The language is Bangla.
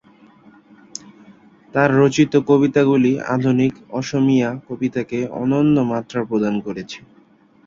তার রচিত কবিতাগুলি আধুনিক অসমীয়া কবিতাকে অন্যন্য মাত্রা প্রদান করেছে।